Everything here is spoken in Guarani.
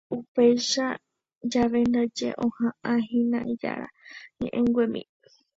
Upéicha jave ndaje oha'ãhína ijára ñe'ẽnguemi